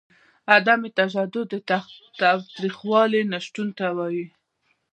عدم تشدد د تاوتریخوالي نشتون ته وايي.